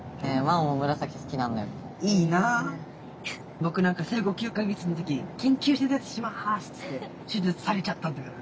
ぼくなんか生後９か月のとききんきゅう手術しますっつって手術されちゃったんだから。